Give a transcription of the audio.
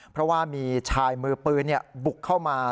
เพราะว่ามีชายมือปืนบุกเข้ามา